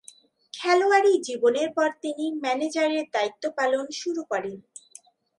খেলোয়াড়ী জীবনের পর তিনি ম্যানেজারের দায়িত্ব পালন শুরু করেন।